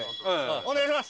お願いします。